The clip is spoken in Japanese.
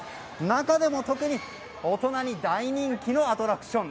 中でも特に大人に大人気のアトラクション